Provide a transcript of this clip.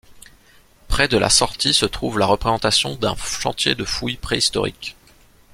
Près de la sortie se trouve la représentation d'un chantier de fouilles préhistoriques.